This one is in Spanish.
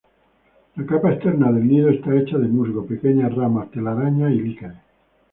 La capa externa del nido está hecho de musgo, pequeñas ramas, telarañas y líquenes.